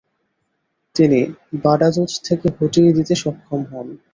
তিনি বাডাজোজ থেকে হটিয়ে দিতে সক্ষম হন।